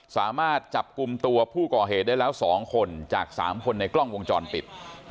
สามารถจับกลุ่มตัวผู้ก่อเหตุได้แล้ว๒คนจาก๓คนในกล้องวงจรปิด